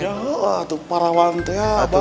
ya lu atuh parah wang tuh ya abah